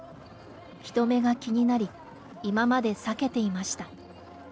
人目が気になり、今まで避けていました。